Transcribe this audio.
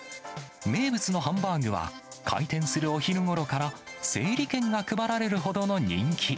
名物のハンバーグは、開店するお昼ごろから、整理券が配られるほどの人気。